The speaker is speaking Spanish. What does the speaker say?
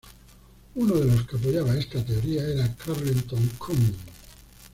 Uno de los que apoyaba esta teoría era Carleton Coon.